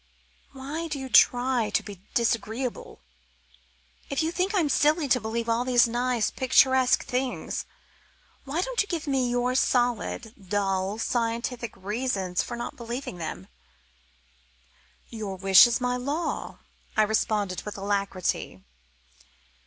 Why do you try to be disagreeable? If you think I'm silly to believe all these nice picturesque things, why don't you give me your solid, dull, dry, scientific reasons for not believing them?" "Your wish is my law," I responded with alacrity.